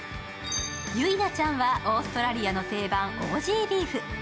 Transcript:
ゆいなちゃんはオーストラリアの定番、オージー・ビーフ。